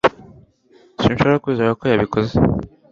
sinshobora kwizera ko yabikoze